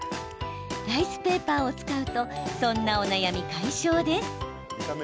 ライスペーパーを使うとそんなお悩み解消です。